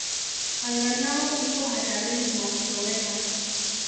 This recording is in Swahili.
Angalau iko hatarini mwa kutoweka.